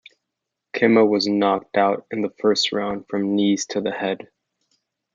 Kimo was knocked out in the first round from knees to the head.